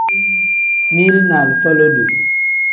Mili ni alifa lodo.